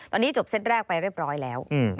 ตอนนี้จบเซตแรกไปเรียบร้อยแล้ว